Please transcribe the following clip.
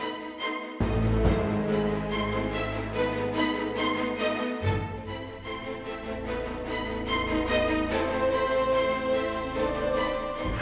darum banget sih bu